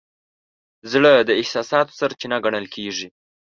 زړه د احساساتو سرچینه ګڼل کېږي.